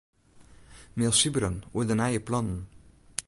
Mail Sybren oer de nije plannen.